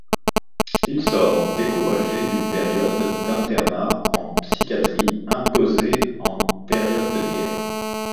Il sort découragé d'une période d'internat en psychiatrie imposée en période de guerre.